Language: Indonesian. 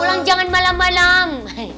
pulang jangan malam malam